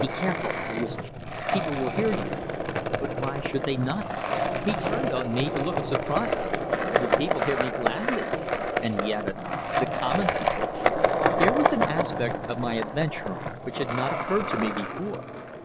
"Be careful!" I whispered. "People will hear you!" "But why should they not?" He turned on me a look of surprise. "The people hear me gladly." And he added: "The common people." Here was an aspect of my adventure which had not occurred to me before.